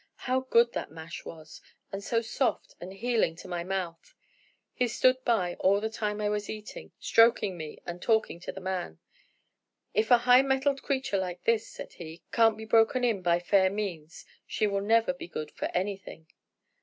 How good that mash was! and so soft and healing to my mouth. He stood by all the time I was eating, stroking me and talking to the man. 'If a highmettled creature like this,' said he, 'can't be broken in by fair means, she will never be good for anything.'